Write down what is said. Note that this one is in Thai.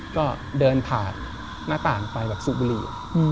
ก็เดินผ่านหน้าต่างไปแบบสูบบุหรี่